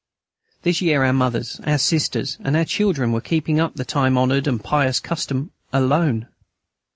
This year our mothers, our sisters, and our children were keeping up the time honoured and pious custom alone.